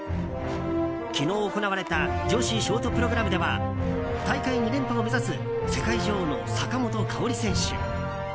昨日行われた女子ショートプログラムでは大会２連覇を目指す世界女王の坂本花織選手。